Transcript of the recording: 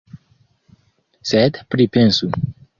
Sed pripensu.